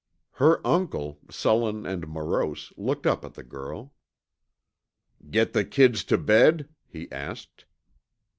Her uncle, sullen and morose, looked up at the girl. "Get the kids tuh bed?" he asked.